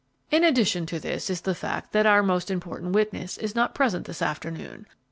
In addition to this is the fact that our most important witness is not present this afternoon.